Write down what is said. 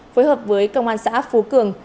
phối hợp với công an xã phú cường